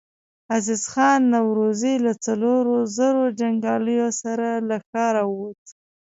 عزيز خان نورزی له څلورو زرو جنګياليو سره له ښاره ووت.